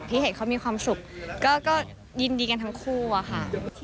เห็นเขามีความสุขก็ยินดีกันทั้งคู่อะค่ะ